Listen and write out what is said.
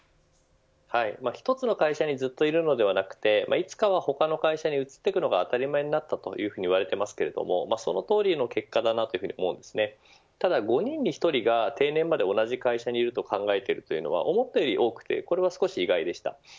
一つの会社にずっといるのではなくていつかは他の会社に移っていくのが当たり前になったと言われていますがそのとおりの結果だと思いますがただ、５人に１人が定年まで同じ会社にいると考えているのは思ったよりも多くてそれは意外でした。